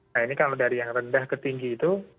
nah ini kalau dari yang rendah ke tinggi itu